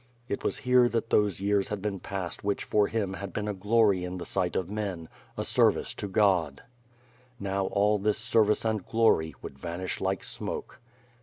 It was here that those years had been passed which for him had been a glory in the sight of men; a service to God. Now all this service and glory would vanish like smoke.